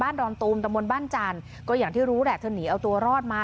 ดอนตูมตะมนต์บ้านจันทร์ก็อย่างที่รู้แหละเธอหนีเอาตัวรอดมา